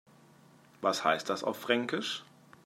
Was heißt das auf Fränkisch?